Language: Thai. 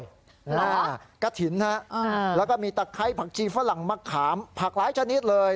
หรอกะถินฮะแล้วก็มีตักไข้ผักจีฝรั่งมะขามผักหลายชนิดเลย